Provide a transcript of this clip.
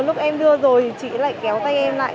lúc em đưa rồi thì chị lại kéo tay em lại